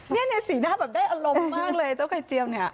นี่ในสีหน้าแบบได้อารมณ์มากเลยเจ้าไข่เจียวเนี่ย